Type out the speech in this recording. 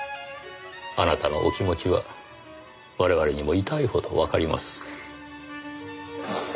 あなたのお気持ちは我々にも痛いほどわかります。